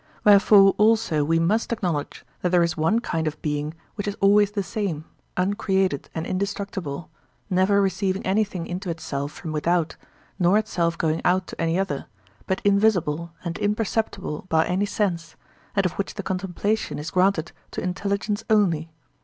Wherefore also we must acknowledge that there is one kind of being which is always the same, uncreated and indestructible, never receiving anything into itself from without, nor itself going out to any other, but invisible and imperceptible by any sense, and of which the contemplation is granted to intelligence only.